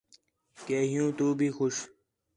کہ حِیّوں تُو بھی خوش